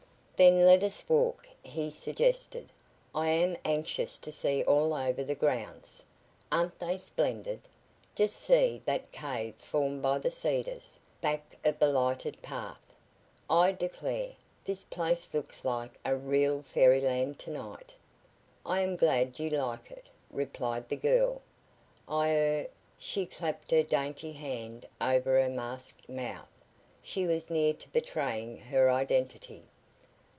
"Then let us walk," he suggested. "I am anxious to see all over the grounds. Aren't they splendid? Just see that cave formed by the cedars, back of the lighted path. I declare' this place looks like a real fairyland to night." "I am glad you like it," replied the girl. "I er " She clapped her dainty hand over her masked mouth. She was near to betraying her identity.